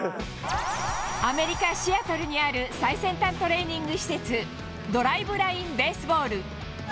アメリカ・シアトルにある最先端トレーニング施設、ドライブライン・ベースボール。